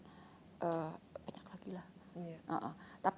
banyak lagi lah